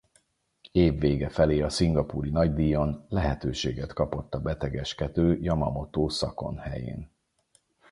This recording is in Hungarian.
Év vége felé a szingapúri nagydíjon lehetőséget kapott a betegeskedő Jamamoto Szakon helyén.